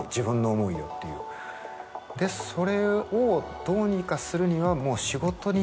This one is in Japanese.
でそれをどうにかするには。